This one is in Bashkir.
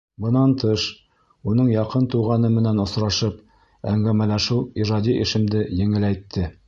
Бынан тыш, уның яҡын туғаны менән осрашып әңгәмәләшеү ижади эшемде еңеләйтте.